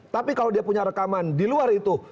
tapi kalau dia punya rekaman di luar itu